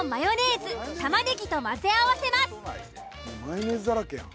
マヨネーズだらけやん。